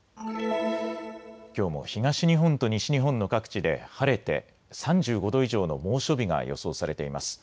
きょうも東日本と西日本の各地で晴れて３５度以上の猛暑日が予想されています。